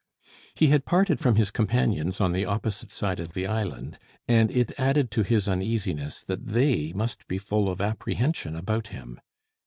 He had parted from his companions on the opposite side of the island, and it added to his uneasiness that they must be full of apprehension about him.